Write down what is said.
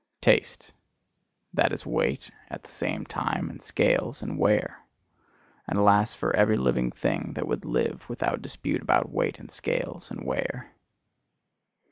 Taste: that is weight at the same time, and scales and weigher; and alas for every living thing that would live without dispute about weight and scales and weigher!